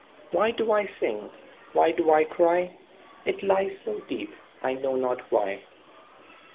Why do I sing? Why do I cry? It lies so deep, I know not why.